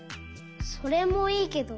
それもいいけど。